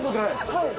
はい。